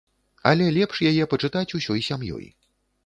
Але лепш яе пачытаць усёй сям'ёй.